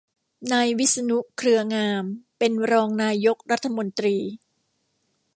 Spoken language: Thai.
นายวิษณุ เครืองาม เป็นรองนายกรัฐมนตรี